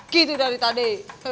gitu dari tadi